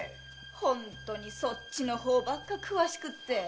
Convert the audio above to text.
ほんっとにそっちの方ばっか詳しくて。